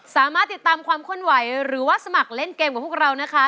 สามารถติดตามความเคลื่อนไหวหรือว่าสมัครเล่นเกมกับพวกเรานะคะ